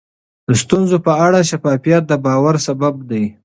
د ستونزو په اړه شفافیت د باور سبب دی.